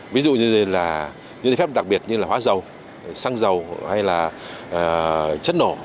ví dụ như là những giấy phép đặc biệt như là hóa dầu xăng dầu hay là chất nổ